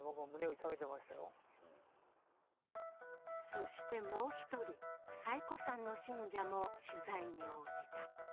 そしてもう１人、最古参の信者も取材に応じた。